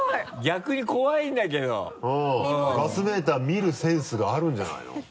ガスメーター見るセンスがあるんじゃないの？